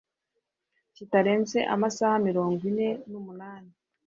kitarenze amasaha mirongo ine n umunani